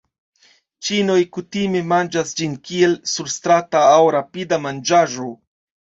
Ĉinoj kutime manĝas ĝin kiel surstrata aŭ rapida manĝaĵo.